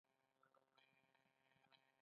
خپل بوټونه یې په پټو کې پیچلي شاته اچولي وه.